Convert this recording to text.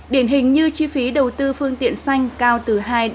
điển hình như chi phí đầu tư phương tiện xanh cao từ hai ba